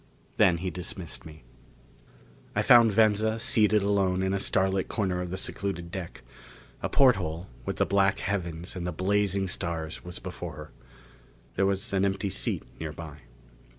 Then he dismissed me. I found Venza seated alone in a starlit corner of the secluded deck. A porthole, with the black heavens and the blazing stars was before her. There was an empty seat nearby.